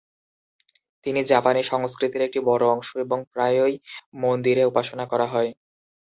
তিনি জাপানি সংস্কৃতির একটি বড় অংশ এবং প্রায়ই মন্দিরে উপাসনা করা হয়।